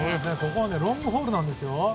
ここはロングホールなんですよ。